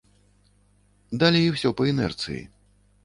Далей усё па інерцыі.